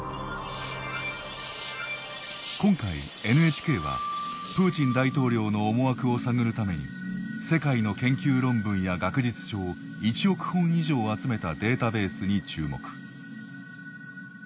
今回ＮＨＫはプーチン大統領の思惑を探るために世界の研究論文や学術書を１億本以上集めたデータベースに注目。